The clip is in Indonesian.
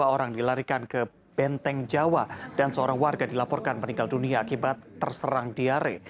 dua puluh orang dilarikan ke benteng jawa dan seorang warga dilaporkan meninggal dunia akibat terserang diare